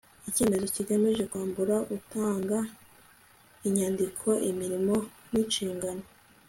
icyyemezo kigamije kwambura utanga inyandiko imirimo n'inshingano